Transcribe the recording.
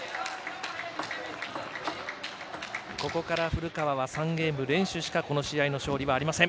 ここから古川は３ゲーム連取したこの試合の勝利はありません。